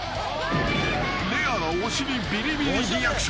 ［レアなお尻びりびりリアクション］